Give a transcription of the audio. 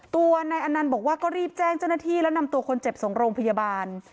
ตัวนายอนันต์บอกว่าก็รีบแจ้งเจ้าหน้าที่แล้วนำตัวคนเจ็บส่งโรงพยาบาล